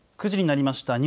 ９時になりました。